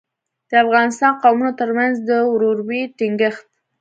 د افغانستان قومونو ترمنځ د ورورۍ ټینګښت.